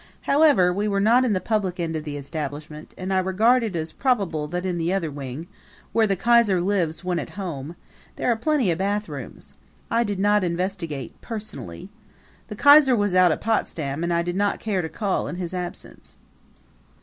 However, we were in the public end of the establishment and I regard it as probable that in the other wing, where the Kaiser lives when at home, there are plenty of bathrooms. I did not investigate personally. The Kaiser was out at Potsdam and I did not care to call in his absence.